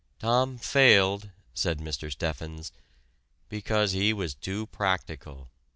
"Tom failed," said Mr. Steffens, "because he was too practical."